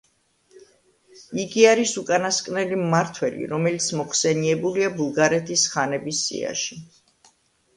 იგი არის უკანასკნელი მმართველი, რომელიც მოხსენიებულია ბულგარეთის ხანების სიაში.